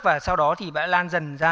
và sau đó thì bạn lan dần ra